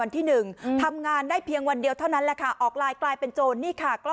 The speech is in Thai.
ทำงานได้เพียงวันเดียวเท่านั้นแหละค่ะกลายเป็นโจรส์นี่ค่ะ